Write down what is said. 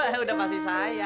eh udah pasti saya